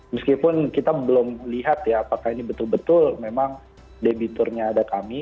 meskipun kita belum lihat ya apakah ini betul betul memang debiturnya ada kami